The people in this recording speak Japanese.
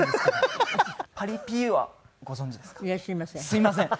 すいません。